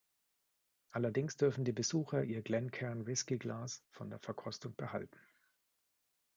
Allerdings dürfen die Besucher ihr Glencairn-Whisky-Glas von der Verkostung behalten.